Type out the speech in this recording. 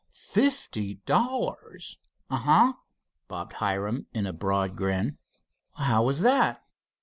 "Fifty dollars?" "Uh huh," bobbed Hiram in a broad grin. "How was that?"